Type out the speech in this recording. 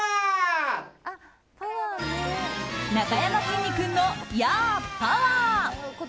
なかやまきんに君のヤー！パワー！